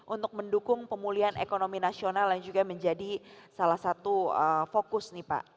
untuk mendukung pemulihan ekonomi nasional yang juga menjadi salah satu fokus nih pak